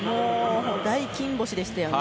大金星でしたよね。